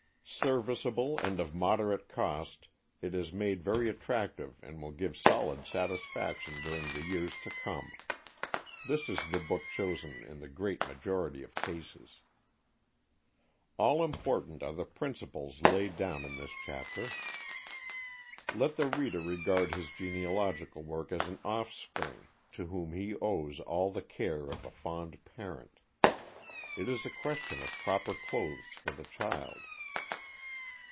Serviceable and of moderate cost, it is made very attractive and will give solid satisfaction during the years to come. This is the book chosen in the great majority of cases. All important are the principles laid down in this chapter. Let the reader regard his genealogical work as an offspring to whom he owes all the care of a fond parent. It is a question of proper clothes for the child.